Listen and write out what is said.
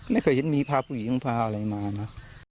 ไม่เคยเห็นมีพาผู้หญิงพาอะไรมานะ